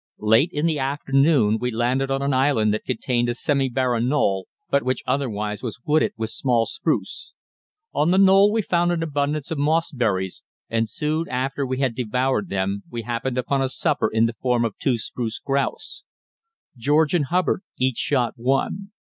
Late in the afternoon we landed on an island that contained a semi barren knoll, but which otherwise was wooded with small spruce. On the knoll we found an abundance of mossberries, and soon after we had devoured them we happened upon a supper in the form of two spruce grouse. George and Hubbard each shot one.